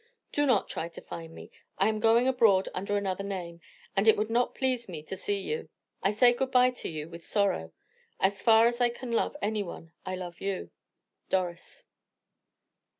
Do not try to find me; I am going abroad under another name, and it would not please me to see you. I say good bye to you with sorrow. As far as I can love any one, I love you. _Doris.